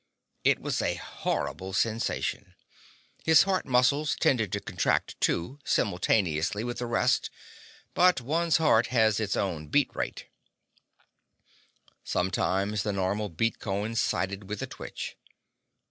It was a horrible sensation. His heart muscles tended to contract too, simultaneously with the rest, but one's heart has its own beat rate. Sometimes the normal beat coincided with the twitch.